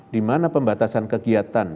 dimana pembatasan kegiatan